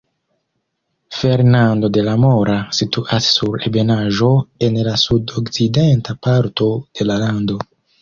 Fernando de la Mora situas sur ebenaĵo en la sudokcidenta parto de la lando.